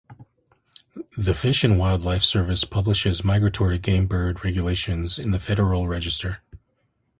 The Fish and Wildlife Service publishes migratory game bird regulations in the Federal Register.